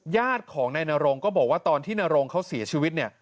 ญาติของนายนรงก็บอกว่าตอนที่นรงเขาเสียชีวิตเนี่ย